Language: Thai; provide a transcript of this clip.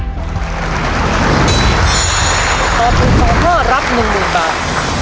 ตอบถูก๒ข้อรับ๑๐๐๐บาท